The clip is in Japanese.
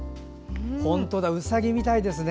本当にうさぎみたいですね。